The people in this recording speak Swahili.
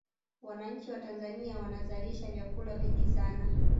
wananchi wa tanzania wanazalisha vyakula vingi sana